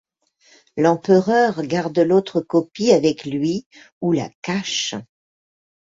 L'empereur garde l'autre copie avec lui ou la cache.